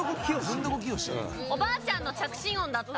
おばあちゃんの着信音だった。